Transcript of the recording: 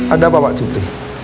ada apa pak cipri